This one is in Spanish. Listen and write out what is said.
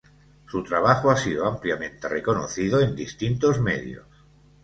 Su trabajo ha sido ampliamente reconocido en distintos medios.